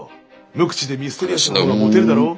無口でミステリアスな方がモテるだろ。